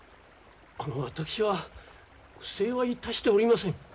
あの私は不正はいたしておりません。